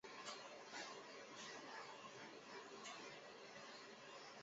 现任中华民国中央银行总裁。